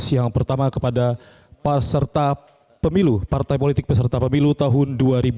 yang pertama kepada paserta pemilu partai politik peserta pemilu tahun dua ribu sembilan belas